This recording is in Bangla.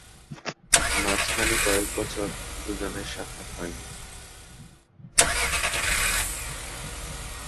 মাঝখানে কয়েক বছর দু'জনের সাক্ষাৎ হয়নি।